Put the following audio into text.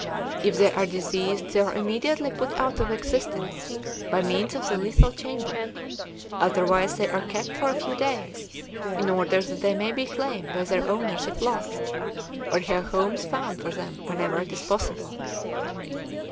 If they are diseased they are immediately put out of existence by means of the lethal chamber; otherwise they are kept for a few days in order that they may be claimed by their owners if lost, or have homes found for them whenever it is possible.